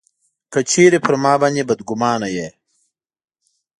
که چېرې پر ما باندي بدګومانه یې.